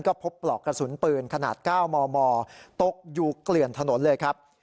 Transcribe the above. ก็พบปลอกกระสุนปืนขนาด๙มมตกอยู่เกลื่อนถนนเลยครับ